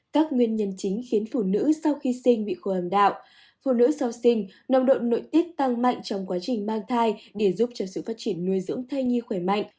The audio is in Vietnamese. các nguyên nhân chính khiến phụ nữ sau khi sinh bị khô hầm đạo phụ nữ sau sinh nồng độ nội tiết tăng mạnh trong quá trình mang thai để giúp cho sự phát triển nuôi dưỡng thai nhi khỏe mạnh